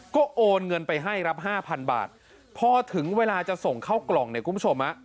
ก็โอนเงินไปให้ครับห้าพันบาทพอถึงเวลาจะส่งเข้ากล่องเนี่ยคุณผู้ชม